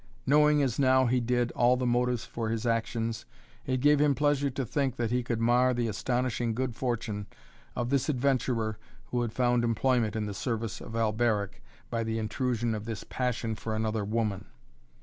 Knowing as now he did all the motives for his actions, it gave him pleasure to think that he could mar the astonishing good fortune of this adventurer who had found employment in the service of Alberic by the intrusion of this passion for another woman.